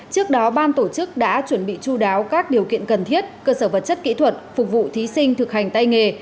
trước đó ban tổ chức đã chuẩn bị chú đáo các điều kiện cần thiết cơ sở vật chất kỹ thuật phục vụ thí sinh thực hành tay nghề